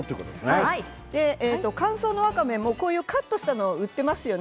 乾燥のわかめカットしたのを売っていますよね。